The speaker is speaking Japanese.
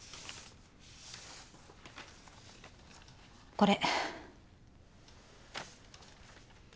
これ。